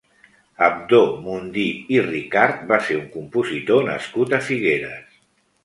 Abdó Mundí i Ricart va ser un compositor nascut a Figueres.